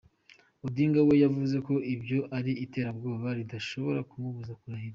Odinga we yavuze ko ibyo ari iterabwoba ridashobora kumubuza kurahira.